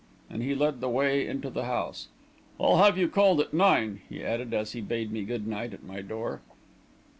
and he led the way into the house. "I'll have you called at nine," he added, as he bade me good night at my door.